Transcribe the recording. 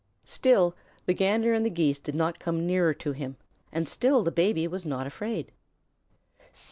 Still the Gander and the Geese did not come nearer to him, and still the Baby was not afraid.